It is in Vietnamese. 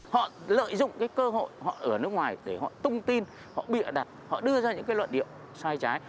họ lợi dụng cơ hội họ ở nước ngoài để họ tung tin họ bị ả đặt họ đưa ra những luận điệu sai trái